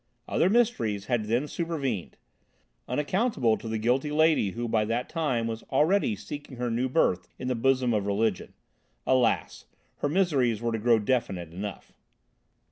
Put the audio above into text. Other mysteries had then supervened, unaccountable to the guilty lady who by that time was already seeking her new birth in the bosom of Religion. Alas! her miseries were to grow definite enough.